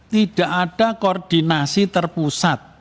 tidak ada koordinasi terpusat